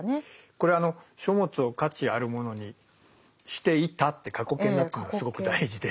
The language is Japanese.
これあの「書物を価値あるものにしていた」って過去形になってるのがすごく大事で。